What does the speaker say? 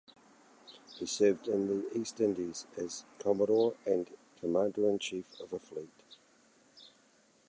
He served in the East Indies as Commodore and commander-in-chief of a fleet.